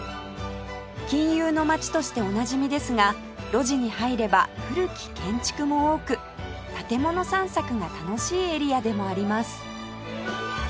金融の街としておなじみですが路地に入れば古き建築も多く建物散策が楽しいエリアでもあります